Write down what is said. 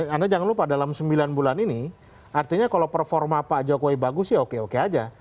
anda jangan lupa dalam sembilan bulan ini artinya kalau performa pak jokowi bagus ya oke oke aja